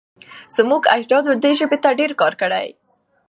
زموږ اجدادو دې ژبې ته ډېر کار کړی.